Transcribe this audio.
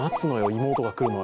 妹が来るのを。